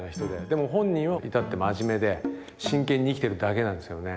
でも本人は至って真面目で真剣に生きてるだけなんですよね。